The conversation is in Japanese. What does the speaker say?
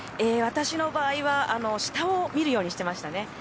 私の場合は下を見るようにしてましたね。